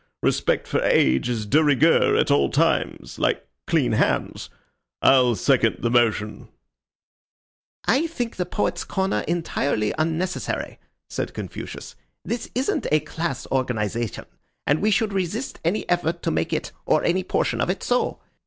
Respect for age is de rigueur at all times, like clean hands. I'll second the motion." "I think the Poets' Corner entirely unnecessary," said Confucius. "This isn't a class organization, and we should resist any effort to make it or any portion of it so.